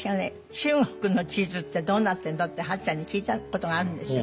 「中国の地図ってどうなってるの？」って八ちゃんに聞いたことがあるんですよ。